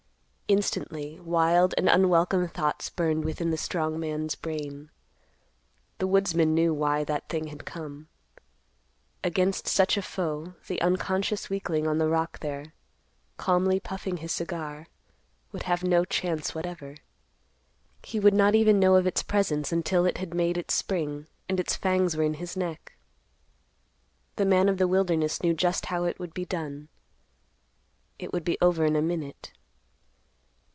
Instantly wild and unwelcome thoughts burned within the strong man's brain. The woodsman knew why that thing had come. Against such a foe the unconscious weakling on the rock there, calmly puffing his cigar, would have no chance whatever. He would not even know of its presence, until it had made its spring, and its fangs were in his neck. The man of the wilderness knew just how it would be done. It would be over in a minute.